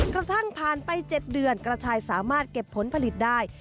กระทั่งผ่านไป๗เดือนกระชายสามารถเก็บผลผลิตได้